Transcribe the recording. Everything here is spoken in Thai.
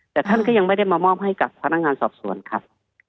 แต่ท่านก็ยังไม่ได้มามอบให้กับพนักงานสอบสวนครับ